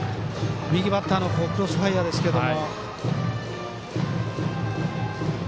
右バッターのクロスファイアーですけども。